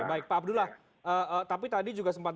baik pak abdullah tapi tadi juga sempat